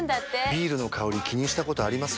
ビールの香り気にしたことあります？